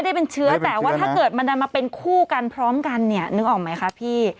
แต่ว่าถ้าเกิดมันมาเป็นคู่กันพร้อมกันเนี่ยนึกออกไหมคะพี่